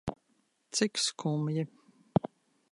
Cik skumji.